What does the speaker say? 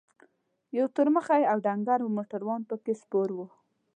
یو تور مخی او ډنګر موټروان پکې سپور و.